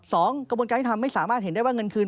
กระบวนการยุทธรรมไม่สามารถเห็นได้ว่าเงินคืน